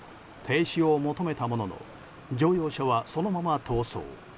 停止を求めたものの乗用車はそのまま逃走。